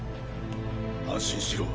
安心しろ。